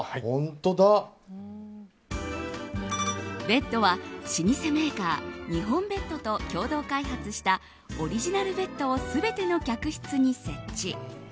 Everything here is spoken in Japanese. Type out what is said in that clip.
ベッドは老舗メーカー日本ベッドと共同開発したオリジナルベッドを全ての客室に設置。